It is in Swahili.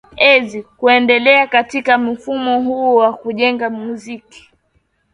ezi kuendelea katika mfumo huu wa kujenga muziki